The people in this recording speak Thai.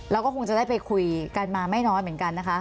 เราก็คงจะได้ไปคุยกันมาไม่น้อยเหมือนกันนะคะ